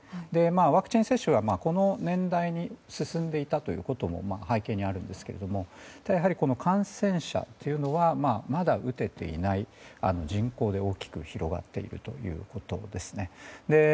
ワクチン接種がこの年代に進んでいたということも背景にあるんですけどもやはり、感染者というのはまだ打てていない人口で大きく広がっているということですね。